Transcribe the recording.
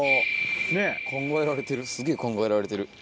考えられてるすげぇ考えられてる。